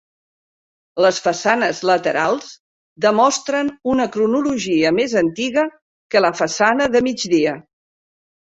Les façanes laterals demostren una cronologia més antiga que la façana de migdia.